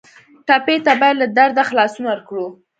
ټپي ته باید له درده خلاصون ورکړو.